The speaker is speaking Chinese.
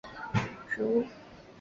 砂蓝刺头为菊科蓝刺头属的植物。